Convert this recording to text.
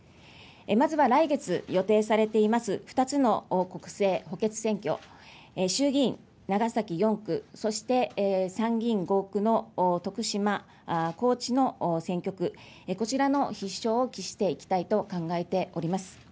まずは来月予定されています、２つの国政補欠選挙、衆議院長崎４区、そして参議院合区の徳島、高知の選挙区、こちらの必勝を期していきたいと考えております。